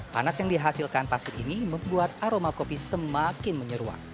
panas yang dihasilkan pasir ini membuat aroma kopi semakin menyeruak